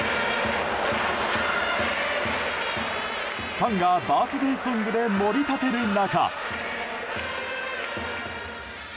ファンがバースデーソングで盛り立てる中。